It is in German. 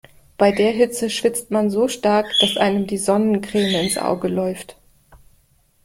Bei der Hitze schwitzt man so stark, dass einem die Sonnencreme ins Auge läuft.